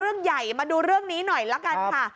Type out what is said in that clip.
เรื่องใหญ่มาดูเรื่องนี้หน่อยละกันค่ะ